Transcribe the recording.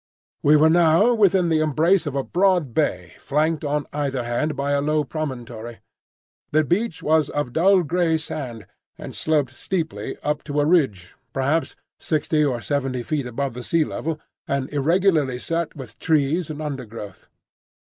We were now within the embrace of a broad bay flanked on either hand by a low promontory. The beach was of dull grey sand, and sloped steeply up to a ridge, perhaps sixty or seventy feet above the sea level, and irregularly set with trees and undergrowth.